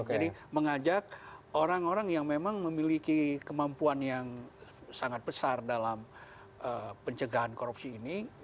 jadi mengajak orang orang yang memang memiliki kemampuan yang sangat besar dalam pencegahan korupsi ini